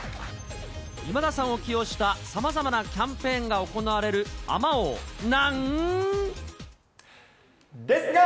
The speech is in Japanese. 今田さんを起用したさまざまなキャンペーンが行われるあまおうなですが。